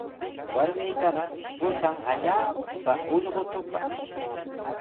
Warmitaqa qusan allaapa ullqutupaq.